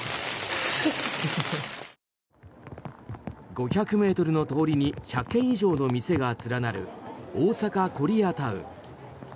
５００ｍの通りに１００軒以上の店が連なる大阪コリアタウン。